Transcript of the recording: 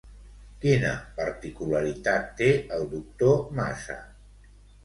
Quina particularitat té el doctor Massa?